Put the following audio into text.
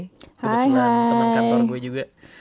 kebetulan teman kantor gue juga